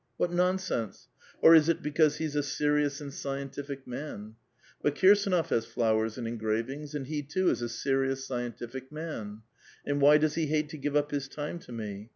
What nonsense! Or is it because he is a serious and scientific man? But Kirsduof bas flowers and engravings, and he too is a serious, scien tific ruan. And why does he hate to give up his time to we?